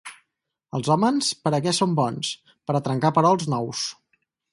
Els hòmens per a què són bons? Per a trencar perols nous!